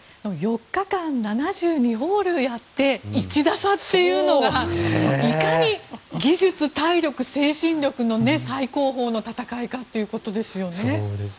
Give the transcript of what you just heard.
４日間、７２ホールやって１打差っていうのがいかに技術、体力、精神力の最高峰の戦いかということですよね。